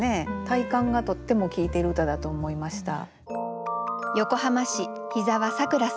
体感がとっても効いている歌だと思いました。